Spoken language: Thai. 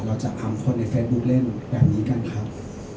เราจะทำคนในเฟซบุ๊คเล่นแบบนี้กันครับ